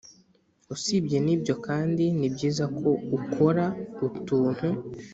usibye n’ibyo kandi ni byiza ko ukora utuntu